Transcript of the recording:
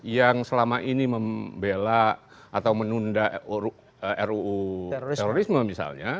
yang selama ini membela atau menunda ruu terorisme misalnya